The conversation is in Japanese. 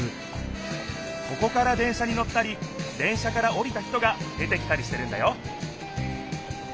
ここから電車に乗ったり電車からおりた人が出てきたりしてるんだよ